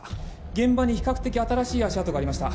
現場に比較的新しい足跡がありました。